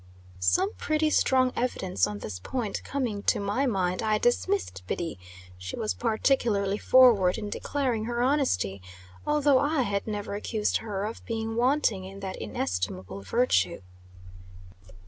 Some pretty strong evidence on this point coming to my mind, I dismissed Biddy, who was particularly forward in declaring her honesty, although I had never accused her of being wanting in that inestimable virtue.